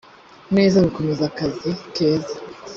neza gukomeza akazi keza